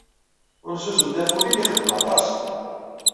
Ulzuz n tafulin ixeddem aṭas.